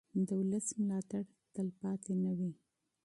د ولس ملاتړ تلپاتې نه وي